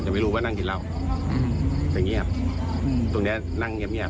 จะไม่รู้ว่านั่งที่เล่าแต่เงียบตรงนี้นั่งเงียบ